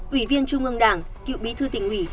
ủy viên trung ương đảng cựu bí thư tỉnh ủy